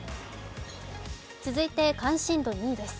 続いて関心度２位です。